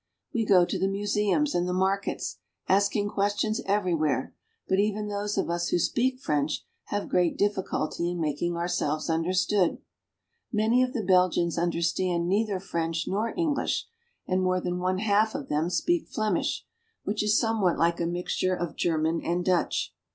We go to the museums and the markets, asking questions everywhere, but even those of us who speak French have great difficulty in making ourselves understood. Many of the Belgians understand neither French nor English, and more than one half of them speak Flemish, which is somewhat like a mixture of German and Dutch.